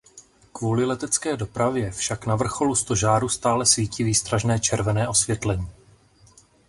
Kvůli letecké dopravě však na vrcholu stožáru stále svítí výstražné červené osvětlení.